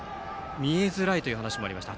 見えづらいという話もありました。